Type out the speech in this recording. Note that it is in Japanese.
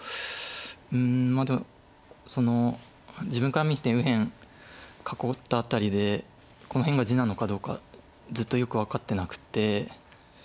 うんでも自分から見て右辺囲ったあたりでこの辺地なのかどうかずっとよく分かってなくて。